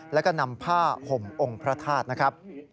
และก็นำผ้าห่มองค์พระทาธิตร์